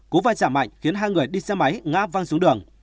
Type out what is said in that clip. cú vai trạm mạnh khiến hai người đi xe máy ngã văng xuống đường